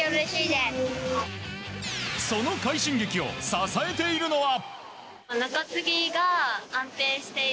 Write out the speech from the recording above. その快進撃を支えているのは。